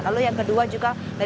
lalu yang kedua juga